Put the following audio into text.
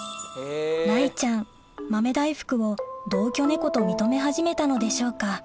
雷ちゃん豆大福を同居猫と認め始めたのでしょうか